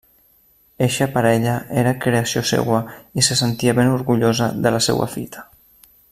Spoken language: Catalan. Eixa parella era creació seua i se sentia ben orgullosa de la seua fita.